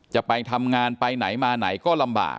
จะไปทำงานไปไหนมาไหนก็ลำบาก